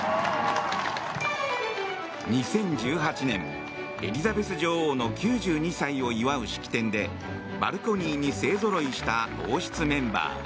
２０１８年、エリザベス女王の９２歳を祝う式典でバルコニーに勢ぞろいした王室メンバー。